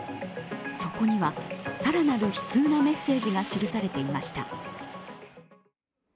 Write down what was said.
そこには、更なる悲痛なメッセージが記されていました。